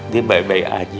dia baik baik aja